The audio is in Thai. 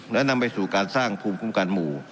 และนำไปสู่การสร้างภูมิคุ้มกันหมู่